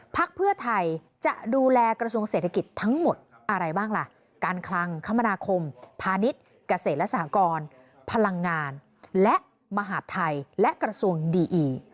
พักเพื่อไทยจะดูแลกระทรวงเศรษฐกิจทั้งหมดอะไรบ้างล่ะการคลังคมนาคมพาณิชย์เกษตรและสหกรพลังงานและมหาดไทยและกระทรวงดีอี